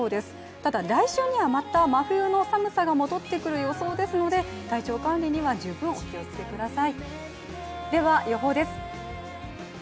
ただ、来週にはまた真冬の寒さが戻ってくる予想ですので、体調管理には十分お気をつけください。